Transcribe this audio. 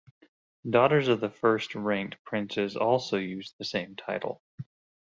Daughters of the first ranked princes also used the same title.